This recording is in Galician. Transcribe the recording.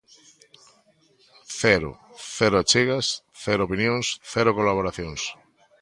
Cero, cero achegas, cero opinións, cero colaboracións.